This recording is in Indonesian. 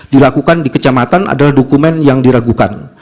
dilakukan di kecamatan adalah dokumen yang diragukan